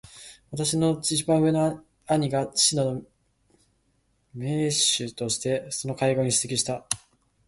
私の一番上の兄が父の名代としてその会合に出席した。